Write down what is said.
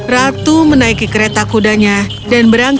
ratu menaiki kereta kudanya dan berangkat